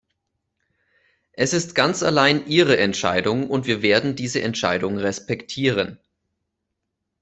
Es ist ganz allein ihre Entscheidung, und wir werden diese Entscheidung respektieren.